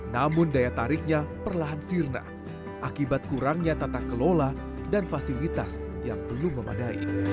namun daya tariknya perlahan sirna akibat kurangnya tata kelola dan fasilitas yang belum memadai